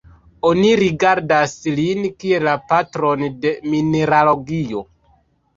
Oni rigardas lin kiel la "patron de mineralogio".